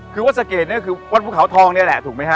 คือวัดสะเกดเนี่ยก็คือวัดภูเขาทองนี่แหละถูกไหมฮ